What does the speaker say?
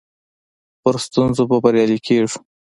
پر ستونزو به بريالي کيږو.